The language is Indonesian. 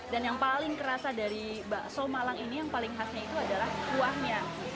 dan yang paling kerasa dari bakso malang ini yang paling khasnya itu adalah kuahnya